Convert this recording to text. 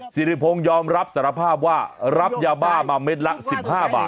สิริพงศ์ยอมรับสารภาพว่ารับยาบ้ามาเม็ดละ๑๕บาท